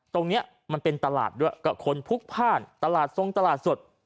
ตรงนี้มันเป็นตลาดด้วยกับคนพลุกพ่านตลาดทรงตลาดสด